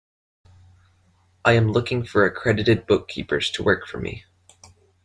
I am looking for accredited bookkeepers to work for me.